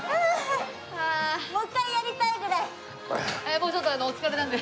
もうちょっとお疲れなので。